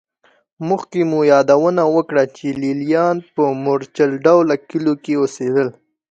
مخکې مو یادونه وکړه چې لېلیان په مورچل ډوله کلیو کې اوسېدل